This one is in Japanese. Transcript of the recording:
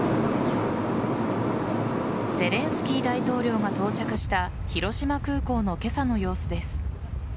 ゼレンスキー大統領が到着した広島空港の今朝の様子です。